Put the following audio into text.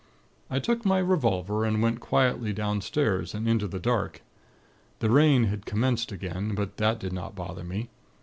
"I took my revolver, and went quietly downstairs, and into the dark. The rain had commenced again; but that did not bother me.